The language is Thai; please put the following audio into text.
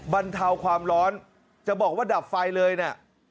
บรรเทาความร้อนจะบอกว่าดับไฟเลยนะ